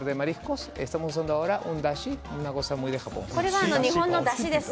これは、日本のだしです。